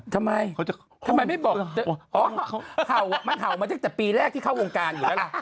ทำไมทำไมไม่บอกอ๋อเห่ามันเห่ามาตั้งแต่ปีแรกที่เข้าวงการอยู่แล้วล่ะ